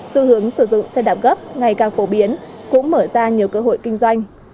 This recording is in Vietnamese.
xu hướng sử dụng xe đạp gấp ngày càng phổ biến cũng mở ra nhiều cơ hội kinh doanh